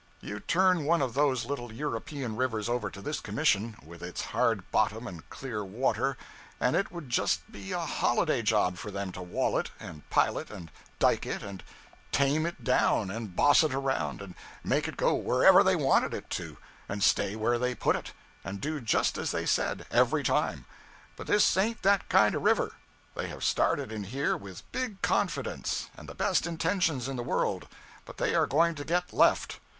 You turn one of those little European rivers over to this Commission, with its hard bottom and clear water, and it would just be a holiday job for them to wall it, and pile it, and dike it, and tame it down, and boss it around, and make it go wherever they wanted it to, and stay where they put it, and do just as they said, every time. But this ain't that kind of a river. They have started in here with big confidence, and the best intentions in the world; but they are going to get left.